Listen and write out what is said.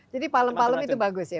jadi palem palem itu bagus ya